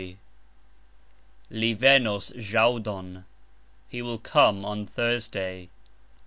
Li venos jxauxdon. He will come on Thursday.